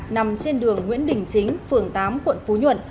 nằm trên đường nguyễn đình chính phường tám quận phú nhuận